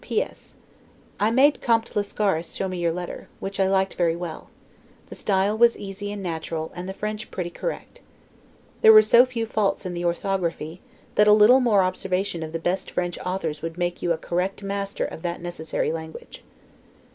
P. S. I made Comte Lascaris show me your letter, which I liked very well; the style was easy and natural, and the French pretty correct. There were so few faults in the orthography, that a little more observation of the best French authors would make you a correct master of that necessary language.